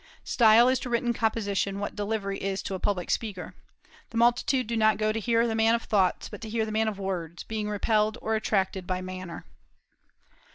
Style is to written composition what delivery is to a public speaker. The multitude do not go to hear the man of thoughts, but to hear the man of words, being repelled or attracted by manner.